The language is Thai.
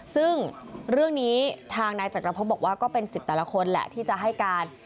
ซึ่งเรื่องนี้ทางนายจักรพบบอกว่าก็เป็นสิทธิ์แต่ละคนแหละที่จะให้การ